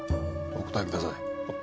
お答えください。